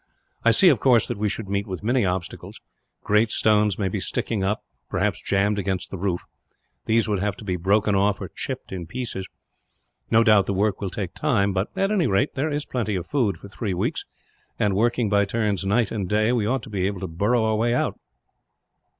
"I see, of course, that we should meet with many obstacles. Great stones may be sticking up, perhaps jammed against the roof; these would have to be broken off, or chipped in pieces. No doubt the work will take time but, at any rate, there is plenty of food for three weeks and, working by turns night and day, we ought to be able to burrow our way out.